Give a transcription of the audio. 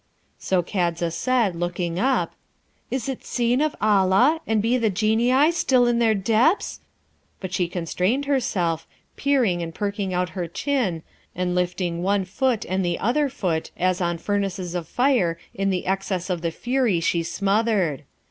So Kadza said, looking up, 'Is 't seen of Allah, and be the Genii still in their depths?' but she constrained herself, peering and perking out her chin, and lifting one foot and the other foot, as on furnaces of fire in the excess of the fury she smothered.